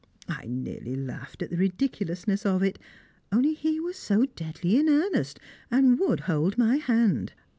I nearly laughed at the ridiculousness of it, only he was so deadly in earnest, and would hold my hand.